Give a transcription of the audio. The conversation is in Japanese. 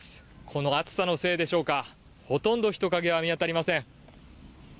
この暑さのせいでしょうか、ほとんど人影は見当たりません。